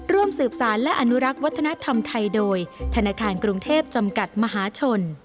ร่วมสืบสารและอนุรักษ์วัฒนธรรมไทยโดยธนาคารกรุงเทพจำกัดมหาชน